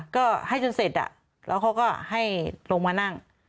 ก็ให้จนเสร็จแล้วเขาก็ให้ลงมานั่ง